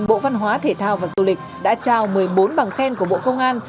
bộ văn hóa thể thao và du lịch đã trao một mươi bốn bằng khen của bộ công an